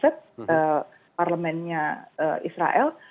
pemerintah israel itu adalah pemerintah israel